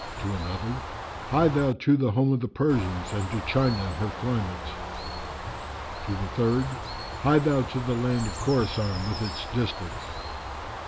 To another, "Hie thou to the home of the Persians and to China and her climates." To the third, "Hie thou to the land of Khorasan with its districts."